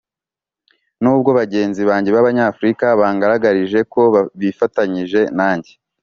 nubwo bagenzi banjye b'abanyafurika bangaragarije ko bifatanyije nanjye,